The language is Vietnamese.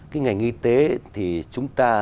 cái ngành y tế thì chúng ta